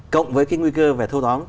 cộng với cái nguy cơ về thâu tóm